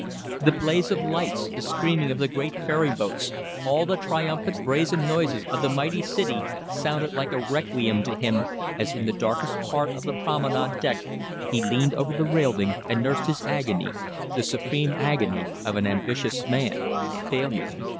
The blaze of lights, the screaming of the great ferry boats, all the triumphant, brazen noises of the mighty city, sounded like a requiem to him as in the darkest part of the promenade deck he leaned over the railing and nursed his agony, the supreme agony of an ambitious man failure.